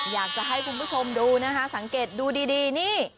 อยากจะให้คุณผู้ชมดูนะคะสังเกตดูดีนี่